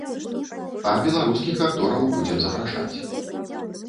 А беларускіх актораў будзем запрашаць.